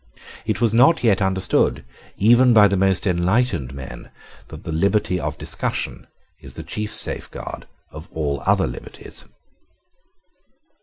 It was not yet understood, even by the most enlightened men, that the liberty of discussion is the chief safeguard of all other liberties.